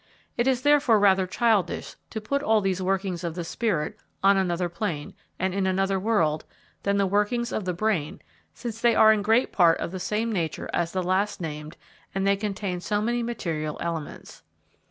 It is therefore rather childish to put all these workings of the spirit on another plane and in another world than the workings of the brain since they are in great part of the same nature as the last named and they contain so many material elements.